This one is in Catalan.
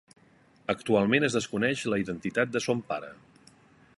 Actualment es desconeix la identitat de son pare.